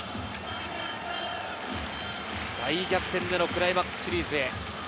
大逆転でのクライマックスシリーズへ。